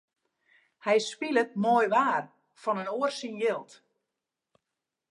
Hy spilet moai waar fan in oar syn jild.